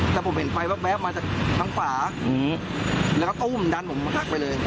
แต่ผมเห็นไฟแว๊บมาจากทางขวาแล้วก็ตุ้มดันผมหักไปเลย